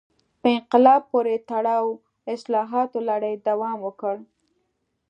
په انقلاب پورې تړلو اصلاحاتو لړۍ دوام وکړ.